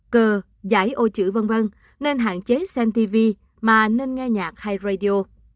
cờ giải ô chữ v v nên hạn chế xem tv mà nên nghe nhạc hay radio